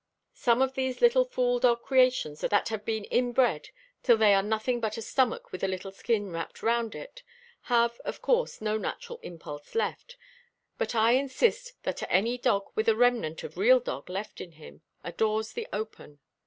Some of these little fool dog creations that have been inbred till they are nothing but a stomach with a little skin wrapped round it, have, of course, no natural impulse left, but I insist that any dog with a remnant of real dog left in him, adores the open.